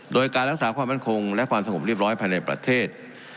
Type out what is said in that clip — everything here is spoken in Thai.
โดยการรักษาความมั่นคงและความสงบเรียบร้อยภายในประเทศ